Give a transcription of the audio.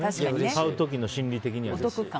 買う時の心理的には。